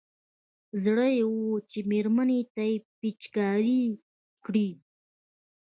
زړه يې و چې مېرمنې ته يې پېچکاري کړي.